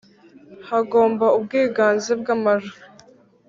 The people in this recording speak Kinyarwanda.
hagomba ubwiganze bw amajwi